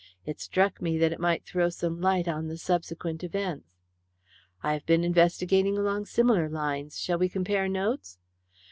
It struck me that it might throw some light on the subsequent events." "I have been investigating along similar lines. Shall we compare notes?"